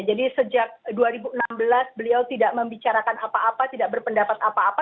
jadi sejak dua ribu enam belas beliau tidak membicarakan apa apa tidak berpendapat apa apa